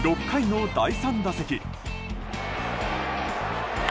６回の第３打席。